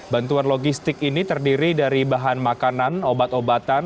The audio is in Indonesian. bantuan logistik ini terdiri dari bahan makanan obat obatan